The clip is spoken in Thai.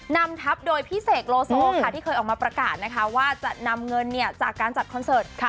นำทัพโดยพี่เสกโลโซค่ะที่เคยออกมาประกาศนะคะว่าจะนำเงินจากการจัดคอนเสิร์ต